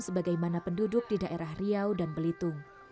sebagaimana penduduk di daerah riau dan belitung